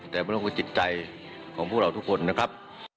แต่ไม่ต้องเป็นจิตใจของพวกเราทุกคนนะครับ